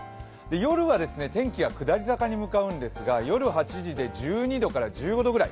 夜は天気が下り坂に向かいますが夜８時で１２度から１５度くらい。